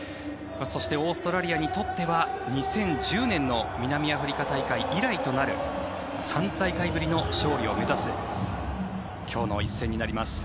そしてオーストラリアにとっては２０１０年の南アフリカ大会以来となる３大会ぶりの勝利を目指す今日の一戦になります。